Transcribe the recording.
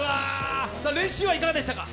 練習はいかがでしたか？